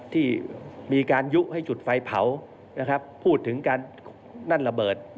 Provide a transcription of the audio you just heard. ที่มีการยุให้จุดไฟเผานะครับพูดถึงการนั่นระเบิด